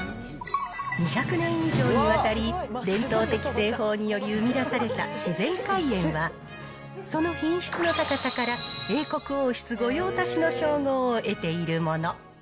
２００年以上にわたり、伝統的製法により生み出された自然海塩は、その品質の高さから、英国王室御用達の称号を得ているもの。